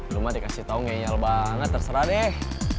lu mah dikasih tau ngeyal banget terserah deh